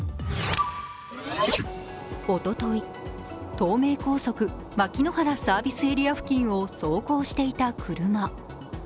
おととい、東名高速・牧之原サービスエリア付近を走行していた車。